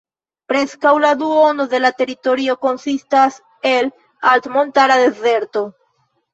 Preskaŭ la duono de la teritorio konsistas el altmontara dezerto.